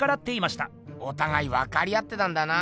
おたがいわかりあってたんだな。